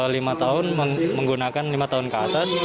lima tahun menggunakan lima tahun ke atas